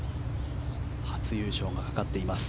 初優勝がかかっています。